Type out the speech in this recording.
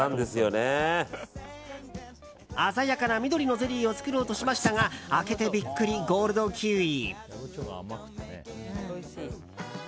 鮮やかな緑のゼリーを作ろうとしましたが開けてビックリ、ゴールドキウイ。